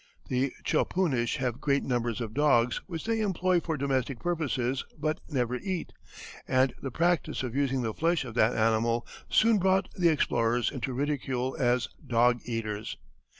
The Chopunish have great numbers of dogs, which they employ for domestic purposes but never eat, and the practice of using the flesh of that animal soon brought the explorers into ridicule as dog eaters.